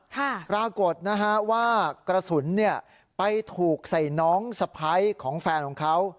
ปรากฏนะฮะว่ากระสุนเนี่ยไปถูกใส่น้องสะพ้ายของแฟนของเขา